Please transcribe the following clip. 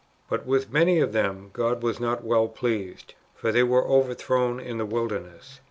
But with many of them God was not well pleased, for they were overthrown in the wilderness.